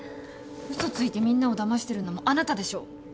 うそついてみんなをだましてるのもあなたでしょ。